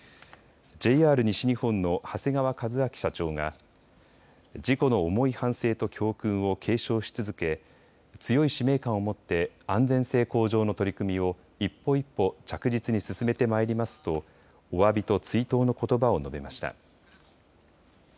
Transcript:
ＪＲ西日本の長谷川一明社長が事故の重い反省と教訓を継承し続け、強い使命感を持って安全性向上の取り組みを一歩一歩着実に進めてまいりますとおわびと追悼のことばを述べました。